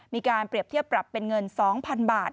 มีการเปรียบเทียบปรับเป็นเงิน๒๐๐๐บาท